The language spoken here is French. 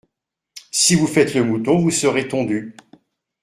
Si vous faites le mouton vous serez tondu.